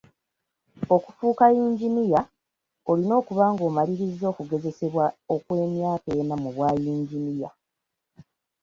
Okufuuka yinginiya, olina okuba ng'omaliriza okugezesebwa okw'emyaka ena mu bwa yinginiya.